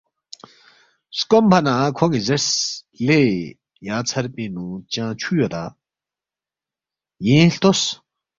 سکومفا نہ کھون٘ی زیرس، ”لے یا ژھر پِنگ نُو چنگ چُھو یودا؟ یینگ ہلتوس